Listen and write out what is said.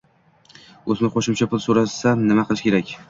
O‘smir qo‘shimcha pul so‘rasa, nima qilish kerak.